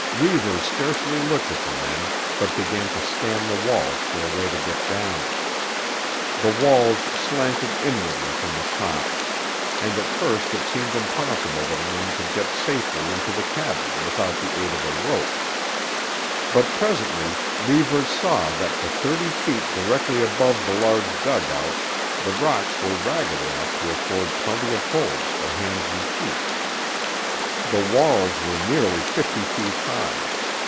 Reivers scarcely looked at the men, but began to scan the walls for a way to get down. The walls slanted inwardly from the top, and at first it seemed impossible that a man could get safely into the cavern without the aid of a rope. But presently Reivers saw that for thirty feet directly above the large dugout the rocks were ragged enough to afford plenty of holds for hands and feet. The walls were nearly fifty feet high.